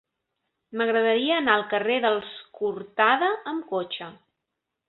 M'agradaria anar al carrer dels Cortada amb cotxe.